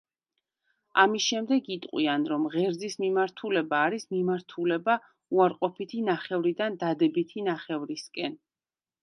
ამის შემდეგ იტყვიან, რომ ღერძის მიმართულება არის მიმართულება უარყოფითი ნახევრიდან დადებითი ნახევრისკენ.